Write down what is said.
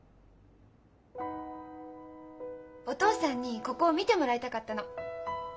お父さんにここを見てもらいたかったの。